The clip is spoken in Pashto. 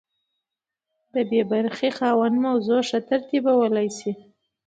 د بي برخې خاوند موضوع ښه ترتیبولی شي.